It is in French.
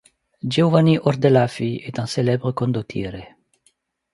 Giovanni Ordelaffi est un célèbre condottiere.